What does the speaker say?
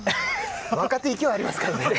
若手、勢いありますからね。